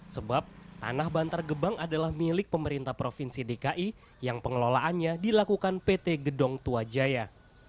sebab tanah bantar gebang adalah milik pemerintah provinsi dki yang pengelolaannya dilakukan pt gedong tuajaya